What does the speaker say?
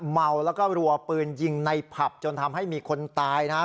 เมาแล้วก็รัวปืนยิงในผับจนทำให้มีคนตายนะครับ